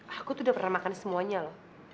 aku tuh udah pernah makan semuanya loh